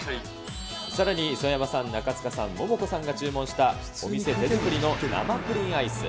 さらに磯山さん、中務さん、モモコさんが注文したお店手作りの生プリンアイス。